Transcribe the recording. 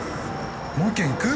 「もう一軒行く？」。